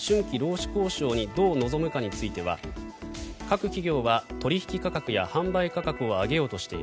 また春季労使交渉にどう臨むかについては各企業は取引価格や販売価格を上げようとしている。